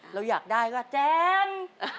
เราอยากได้ก็แจน